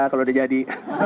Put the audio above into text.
kalau udah jadi